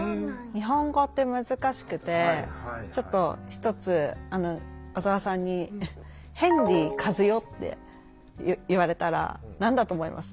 日本語って難しくてちょっと一つ小沢さんに「ヘンリーカズヨ」って言われたら何だと思います？